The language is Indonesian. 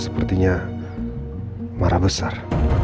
sepertinya mereka sudah